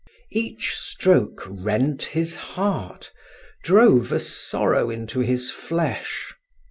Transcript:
Each stroke rent his heart, drove a sorrow into his flesh.